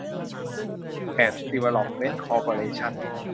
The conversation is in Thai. เพซ ดีเวลลอปเมนท์ คอร์ปอเรชั่น